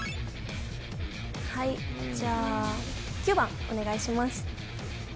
はいじゃあお願いします